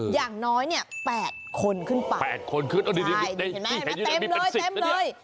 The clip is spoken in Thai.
อย่างน้อยเนี่ย๘คนขึ้นไป๘คนขึ้นดูดิดิดิดิเต็มเลย